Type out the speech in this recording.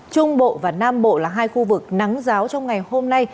trung bộ và nam bộ là hai khu vực nắng giáo trong ngày hôm nay